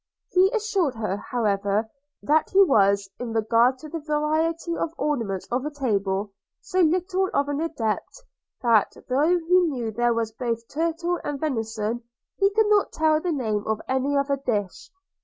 He assured her, however, that he was, in regard to the variety of ornaments of a table, so little of an adept, that, though he knew there was both turtle and venison, he could not tell the name of any other dish.